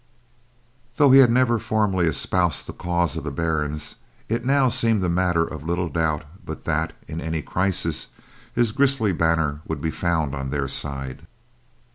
Though he had never formally espoused the cause of the barons, it now seemed a matter of little doubt but that, in any crisis, his grisly banner would be found on their side.